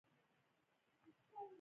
نن کړمه هر کلے د ګل اندام پۀ دواړه لاسه